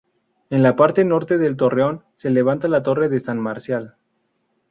En la parte norte del torreón se levanta la torre de San Marcial.